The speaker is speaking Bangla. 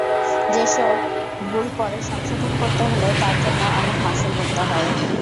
সেসব ভুল পরে সংশোধন করতে হলে তার জন্য অনেক মাশুল গুনতে হয়।